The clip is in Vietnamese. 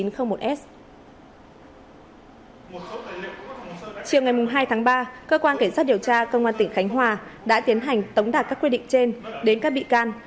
chiều ngày hai tháng ba cơ quan cảnh sát điều tra công an tỉnh khánh hòa đã tiến hành tống đạt các quyết định trên đến các bị can